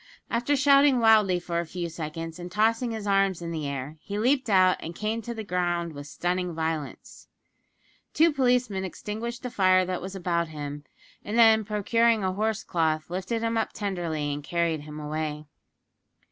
After shouting wildly for a few seconds, and tossing his arms in the air, he leaped out and came to the ground with stunning violence. Two policemen extinguished the fire that was about him, and then, procuring a horse cloth lifted him up tenderly and carried him away.